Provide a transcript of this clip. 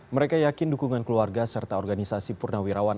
mereka yakin dukungan keluarga serta organisasi purna wirawan